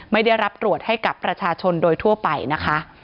ไม่ได้รับตรวจให้กับประชาชนโดยทั่วไปนะคะ